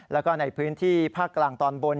แล้วก็ในพื้นที่ภาคกลางตอนบน